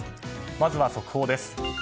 まずは速報です。